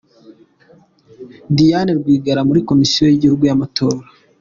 Diane Rwigara muri Komisiyo y’Igihugu y’Amatora